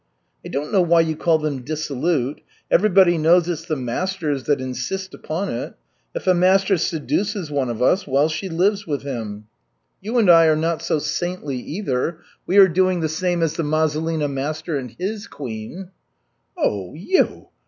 "I don't know why you call them dissolute. Everybody knows it's the masters that insist upon it. If a master seduces one of us, well, she lives with him. You and I are not so saintly either, we are doing the same as the Mazulina master and his queen." "Oh, you!